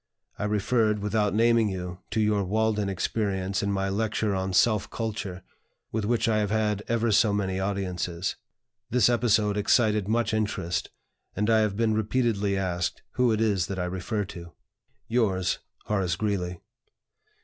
I referred (without naming you) to your 'Walden' experience in my lecture on 'Self Culture,' with which I have had ever so many audiences. This episode excited much interest, and I have been repeatedly asked who it is that I refer to. "Yours, "HORACE GREELEY.